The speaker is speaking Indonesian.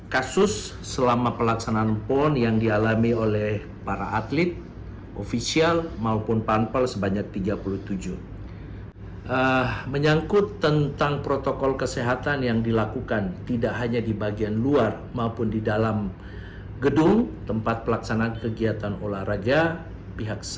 kasus selama pelaksanaan pon yang dialami oleh para atlet ofisial maupun panpel sebanyak tiga puluh